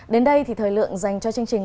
đến đây thì thời lượng dành cho chương trình